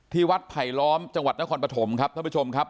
วัดไผลล้อมจังหวัดนครปฐมครับท่านผู้ชมครับ